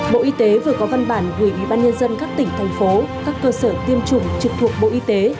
bộ y tế vừa có văn bản gửi ubnd các tỉnh thành phố các cơ sở tiêm chủng trực thuộc bộ y tế